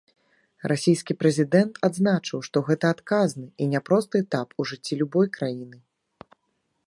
Расійскі прэзідэнт адзначыў, што гэта адказны і няпросты этап у жыцці любой краіны.